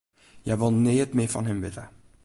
Hja wol neat mear fan him witte.